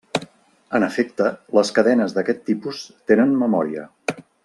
En efecte, les cadenes d'aquest tipus tenen memòria.